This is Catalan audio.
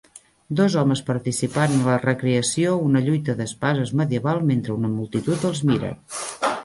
Dos homes participant en la recreació una lluita d'espases medieval mentre una multitud els mira.